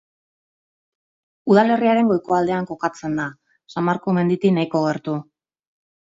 Udalerriaren goiko aldean kokatzen da, San Marko menditik nahiko gertu.